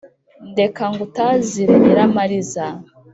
Ndeka ngutazire nyiramariza